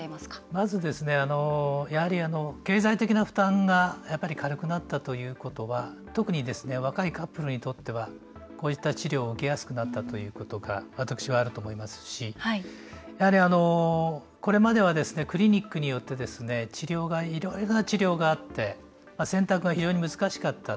まず、経済的な負担がやっぱり軽くなったということは特に若いカップルにとってはこういった治療を受けやすくなったということが私はあると思いますしやはり、これまではクリニックによっていろいろな治療があって選択が非常に難しかった。